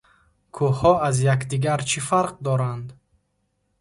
Кӯҳҳо аз якдигар чӣ фарқ доранд?